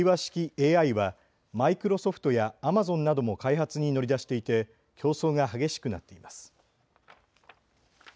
ＡＩはマイクロソフトやアマゾンなども開発に乗り出していて競争が激しくなっています。